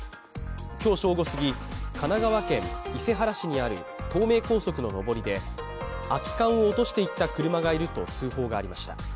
今日正午すぎ、神奈川県伊勢原市にある東名高速の上りで空き缶を落としていった車がいると通報がありました。